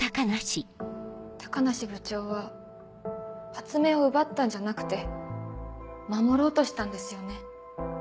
高梨部長は発明を奪ったんじゃなくて守ろうとしたんですよね？